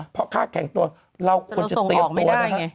เพราะค่าแข่งตัวเราควรจะเตรียมตัวนะครับ